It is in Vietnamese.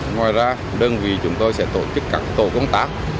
ngoài ra đơn vị chúng tôi sẽ tổ chức các tổ công tác